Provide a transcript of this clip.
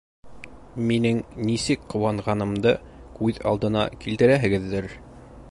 Минең нисек ҡыуанғанымды күҙ алдына килтерәһегеҙҙер.